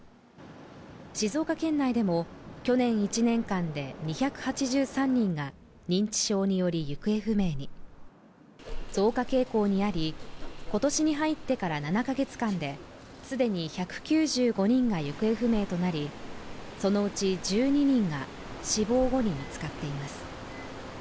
静岡県内でも去年１年間で２８３人が認知症により行方不明に増加傾向にあり今年に入ってから７か月間ですでに１９５人が行方不明となりそのうち１２人が死亡後に見つかっています